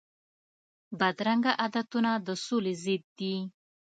بدرنګه عادتونه د سولي ضد دي